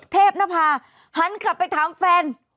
เทพนภาหันกลับไปถามแฟน